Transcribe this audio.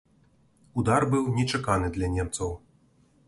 Удар быў нечаканы для немцаў.